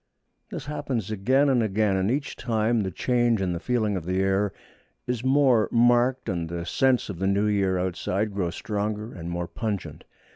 This happens again and again, and each time the change in the feeling of the air is more marked, and the scents of the new year outside grow stronger and more pungent.